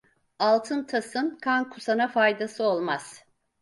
Altın tasın, kan kusana faydası olmaz!